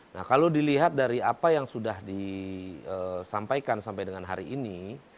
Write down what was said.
nah kalau dilihat dari apa yang sudah disampaikan sampai dengan hari ini